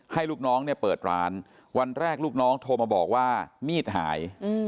ลูกน้องเนี่ยเปิดร้านวันแรกลูกน้องโทรมาบอกว่ามีดหาย